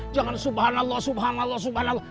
jangan subhanallah subhanallah subhanallah